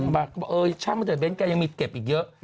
เขาบอกเขำเลยนะเบนค่ะยังมีเก็บอีกเยอะ